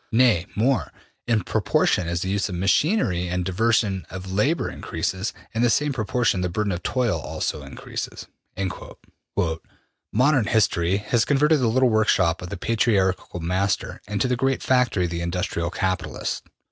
Nay more, in proportion as the use of machinery and diversion of labor increases, in the same proportion the burden of toil also increases.'' ``Modern industry has converted the little workshop of the patriarchal master into the great factory of the industrial capitalist.